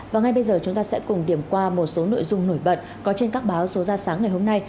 và ngay bây giờ chúng ta sẽ cùng điểm qua một số nội dung nổi bật có trên các báo số ra sáng ngày hôm nay